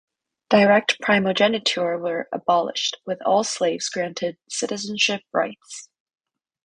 Direct primogeniture were abolished, with all slaves granted citizenship rights.